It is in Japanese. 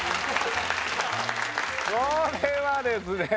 これはですね